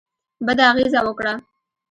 بده اغېزه وکړه.